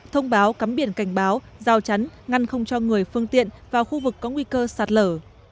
thông báo cắm biển cảnh báo giao chắn ngăn không cho người phương tiện vào khu vực có nguy cơ sạt lở